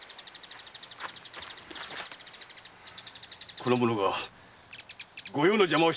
この者が御用の邪魔をしたのは明白！